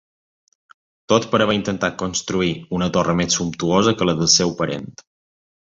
Tot per haver intentat construir una torre més sumptuosa que la del seu parent.